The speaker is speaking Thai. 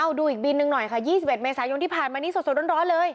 เอาดูอีกบินหนึ่งหน่อยค่ะ๒๑เมษายนที่ผ่านมานี้สดร้อนเลย